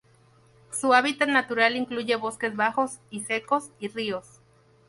Su hábitat natural incluye bosques bajos y secos y ríos.